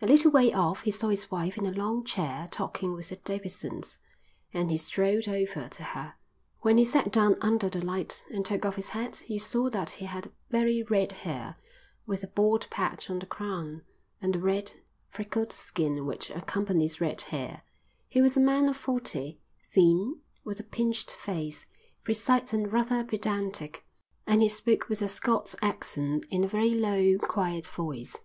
A little way off he saw his wife in a long chair talking with the Davidsons, and he strolled over to her. When he sat down under the light and took off his hat you saw that he had very red hair, with a bald patch on the crown, and the red, freckled skin which accompanies red hair; he was a man of forty, thin, with a pinched face, precise and rather pedantic; and he spoke with a Scots accent in a very low, quiet voice.